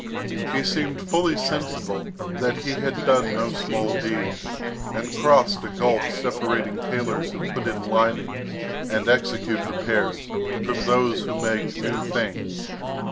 He seemed fully sensible that he had done no small deed, and crossed a gulf separating tailors who put in linings, and execute repairs, from those who make new things.